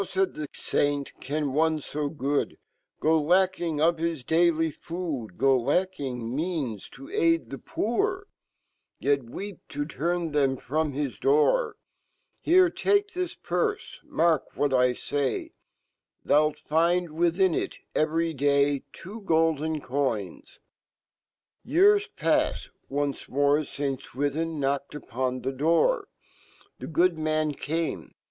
"Hw;"faid fhe Saint " can one/ fo good Go lacking of his daily food; GO 1 acking means to aid fhe poor, Yet weep toturnfhe/mfromhij door? Here ;take fhi$ purie /Aarkwhat I fay TTiou'lt find \vifhi nit, everv T \vo golden coins .' Years paff ed ; once moj aint5wifhin knocked upon fhe doo r . The gd man came.